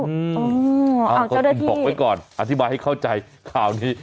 อ๋อเจ้าหน้าที่บอกไว้ก่อนอธิบายให้เข้าใจข่าวนี้